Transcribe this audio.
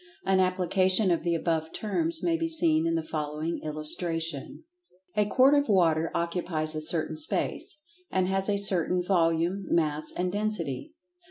An application of the above terms may be seen in the following illustration: A quart of water occupies a certain space—and has a certain "volume," "mass" and "density."